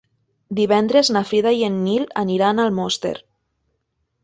Divendres na Frida i en Nil aniran a Almoster.